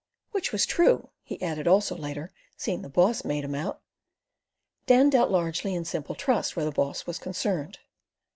"Which was true" he added also later, "seeing the boss made 'em out." Dan dealt largely in simple trust where the boss was concerned.